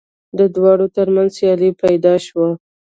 د دواړو تر منځ سیالي پیدا شوه